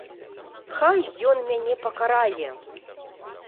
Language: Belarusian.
Хай ён мяне пакарае!